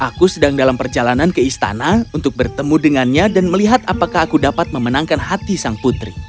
aku sedang dalam perjalanan ke istana untuk bertemu dengannya dan melihat apakah aku dapat memenangkan hati sang putri